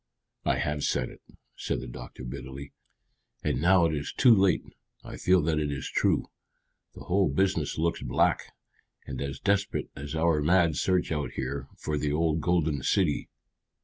"I have said it," said the doctor bitterly; "and now it is too late I feel that it is true. The whole business looks black, and as desperate as our mad search out here for the old golden city."